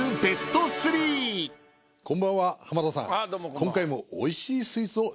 こんばんは浜田さん。